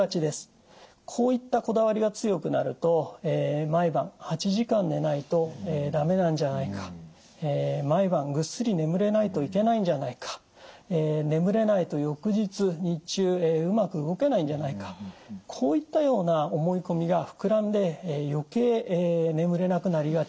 こういったこだわりが強くなると毎晩８時間寝ないと駄目なんじゃないか毎晩ぐっすり眠れないといけないんじゃないか眠れないと翌日日中うまく動けないんじゃないかこういったような思い込みが膨らんで余計眠れなくなりがちなんです。